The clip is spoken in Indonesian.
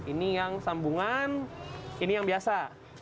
ini yang sambungan ini yang biasa